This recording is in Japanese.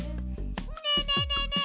ねえねえねえねえ！